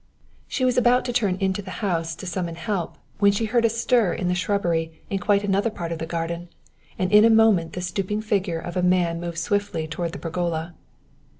She was about to turn into the house to summon help when she heard a stir in the shrubbery in quite another part of the garden, and in a moment the stooping figure of a man moved swiftly toward the pergola.